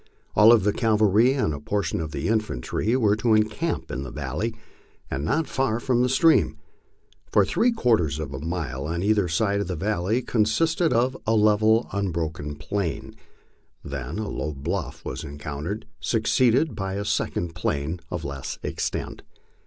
All of the cavalry and a portion of the infantry were to encamp in the valley and not far from the stream. For three quarters of a mile on either side the valley consisted of a level unbroken plain ; then a low bluff was encountered, succeeded by a sec ond plain of less extent.